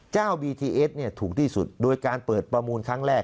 บีทีเอสเนี่ยถูกที่สุดโดยการเปิดประมูลครั้งแรก